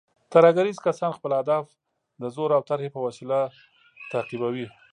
ترهګریز کسان خپل اهداف د زور او ترهې په وسیله تعقیبوي.